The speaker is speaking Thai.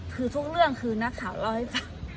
คือทุกเรื่องคือนักข่าวเล่าให้ฟัง